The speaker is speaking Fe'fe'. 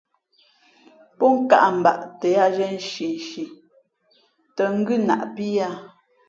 Pō nkāʼ mbaʼ tα yāā zhiē nshinshi tᾱ ngʉ́ naʼpí yāā.